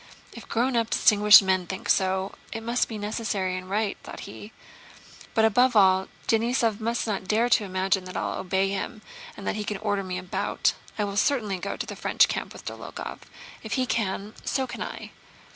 "If grown up, distinguished men think so, it must be necessary and right," thought he. "But above all Denísov must not dare to imagine that I'll obey him and that he can order me about. I will certainly go to the French camp with Dólokhov. If he can, so can I!"